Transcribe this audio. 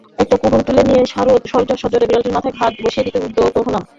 একটা কুড়ুল তুলে নিয়ে সজোরে বিড়ালটির মাথায় ঘা বসিয়ে দিতে উদ্যত হলাম।